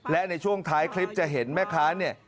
และในช่วงท้ายคลิปจะเห็นแม่ค้าเนี่ย